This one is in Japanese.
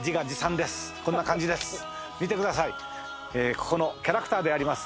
ここのキャラクターであります